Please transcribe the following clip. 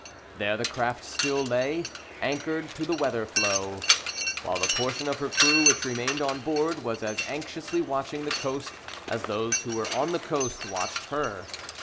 There the craft still lay, anchored to the weather floe, while the portion of her crew which remained on board was as anxiously watching the coast as those who were on the coast watched her.